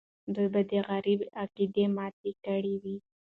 دوی به د غرب عقیده ماته کړې وي.